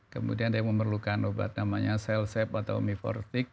kemudian ada yang memerlukan obat namanya selsep atau omnifortik